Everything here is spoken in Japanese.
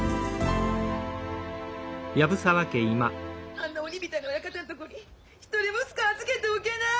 あんな鬼みたいな親方のとこに一人息子を預けておけない！